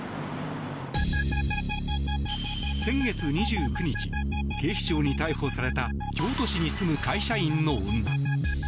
先月２９日警視庁に逮捕された京都市に住む会社員の女。